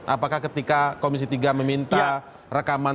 apakah ketika komisi tiga meminta rekaman